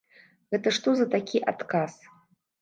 Гэта што за такі адказ?